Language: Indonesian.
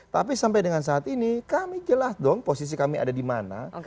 tapi sampai dengan saat ini kami jelas dong posisi kami ada di mana